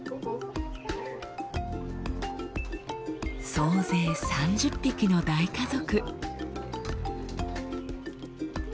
総勢３０匹の大家族。